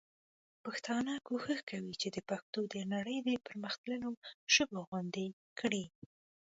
پښتانه کوښښ کوي چي پښتو د نړۍ د پر مختللو ژبو غوندي کړي.